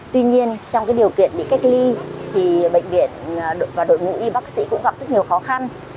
tuy nhiên trong điều kiện bị cách ly thì bệnh viện và đội ngũ y bác sĩ cũng gặp rất nhiều khó khăn